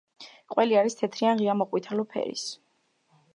ყველი არის თეთრი ან ღია–მოყვითალო ფერის.